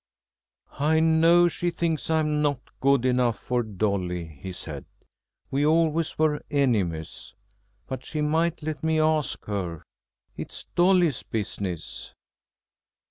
"I know she thinks I'm not good enough for Dolly," he said; "we always were enemies, but she might let me ask her. It's Dolly's business."